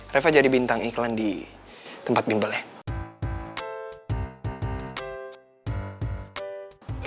reva jadi bintang iklan di tempat gimbelnya